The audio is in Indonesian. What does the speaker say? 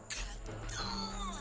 iya ibu diliat sendiri